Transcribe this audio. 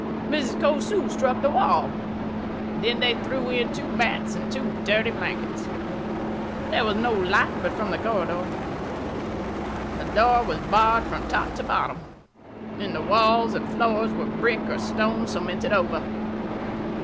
Mrs. Cosu struck the wall. Then they threw in two mats and two dirty blankets. There was no light but from the corridor. The door was barred from top to bottom. The walls and floors were brick or stone cemented over.